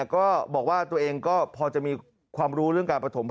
ก็บอกว่าตัวเองก็พอจะมีความรู้เรื่องการประถม